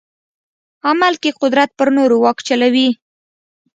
عمل کې قدرت پر نورو واک چلوي.